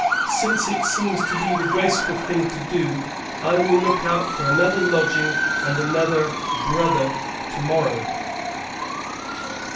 Since it seems to be the graceful thing to do, I will look out for another lodging and another 'brother,' tomorrow."